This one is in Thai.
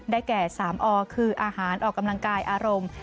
แก่๓อคืออาหารออกกำลังกายอารมณ์